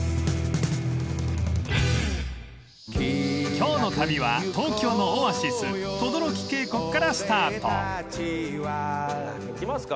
［今日の旅は東京のオアシス等々力渓谷からスタート］来ますか？